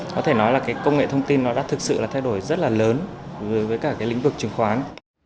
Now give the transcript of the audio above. có thể nói là cái công nghệ thông tin nó đã thực sự là thay đổi rất là lớn với cả cái lĩnh vực chứng khoán